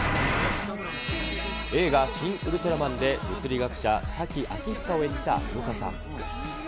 映画、シン・ウルトラマンで物理学者、滝明久を演じた有岡さん。